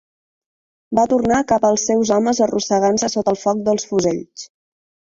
Va tornar cap als seus homes arrossegant-se sota el foc dels fusells.